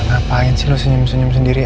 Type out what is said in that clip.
ngapain sih lo senyum senyum sendiri